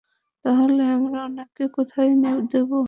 তাহলে আমরা ওনাকে কোথায় দেবো?